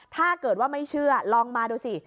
ถ้าเกิดว่าไม่เชื่อลองมาดูสิ